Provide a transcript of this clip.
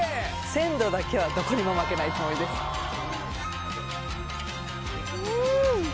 鮮度だけはどこにも負けないつもりですうん！